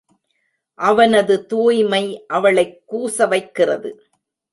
அவனது தூய்மை அவளைக் கூச வைக்கிறது.